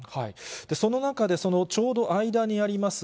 その中で、ちょうど間にあります